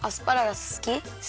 すき。